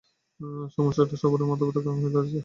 সমস্যাটা সবারই মাথাব্যাথার কারণ হয়ে দাঁড়িয়েছে।